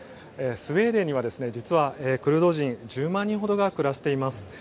スウェーデンには実はクルド人１０万人ほどが暮らしています。